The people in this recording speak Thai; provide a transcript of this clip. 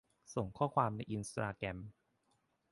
ส่งข้อความในอินสตาแกรม